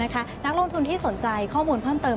นักลงทุนที่สนใจข้อมูลเพิ่มเติม